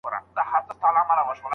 هغه کولای سي پخپله اوږه ډېري